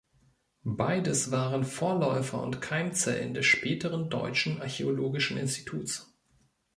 Beides waren Vorläufer und Keimzellen des späteren Deutschen Archäologischen Instituts.